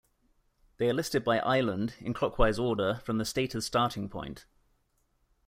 They are listed by island, in clockwise order, from the stated starting point.